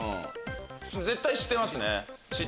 絶対知ってますね。